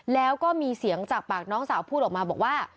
แล้วก็มีเสียงจากปากน้องสาวพูดออกมาบอกว่า